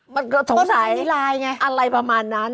มันก็สงสัยอะไรประมาณนั้น